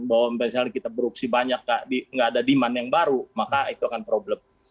bahwa misalnya kita produksi banyak nggak ada demand yang baru maka itu akan problem